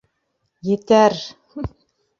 Етә-ә-әр!